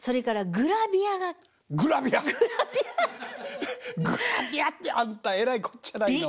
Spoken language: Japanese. グラビアってあんたえらいこっちゃないの。